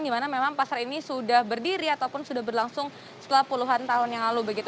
dimana memang pasar ini sudah berdiri ataupun sudah berlangsung setelah puluhan tahun yang lalu begitu